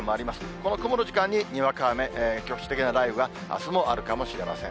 この曇る時間ににわか雨、局地的な雷雨があすもあるかもしれません。